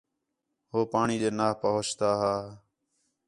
ہو پاݨی ݙے نا پہنچدا ہا